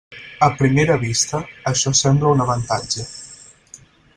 A primera vista, això sembla un avantatge.